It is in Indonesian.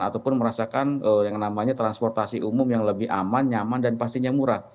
ataupun merasakan yang namanya transportasi umum yang lebih aman nyaman dan pastinya murah